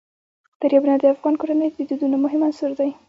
دریابونه د افغان کورنیو د دودونو مهم عنصر دی.